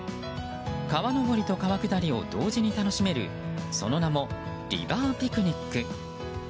川上りと川下りを同時に楽しめるその名もリバーピクニック。